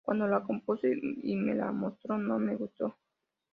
Cuando la compuso y me la mostró no me gustó.